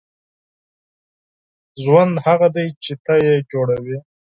• ژوند هغه دی چې ته یې جوړوې.